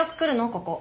ここ。